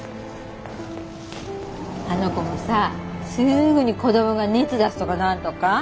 あの子もさすぐに子どもが熱出すとか何とか。